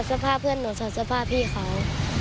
สภาพเพ่อนหนูสภาพพี่เค้า